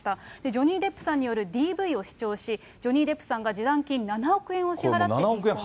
ジョニー・デップさんによるＤＶを主張し、ジョニー・デップさんが示談金７億円を支払って離婚。